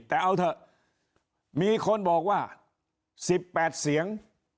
แต่เอาเถอะมีคนบอกว่า๑๘เสียง